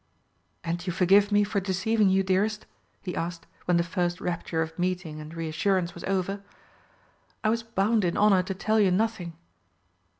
"And you forgive me for deceiving you, dearest?" he asked when the first rapture of meeting and reassurance was over. "I was bound in honour to tell you nothing."